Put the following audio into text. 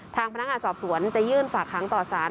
ทางพนักงานสอบสวนจะยื่นฝากค้างต่อสาร